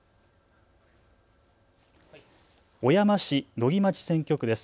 小山市・野木町選挙区です。